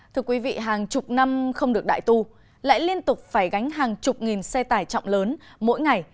thưa quý vị hàng chục năm không được đại tu lại liên tục phải gánh hàng chục nghìn xe tải trọng lớn mỗi ngày